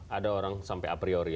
ada orang sampai a priori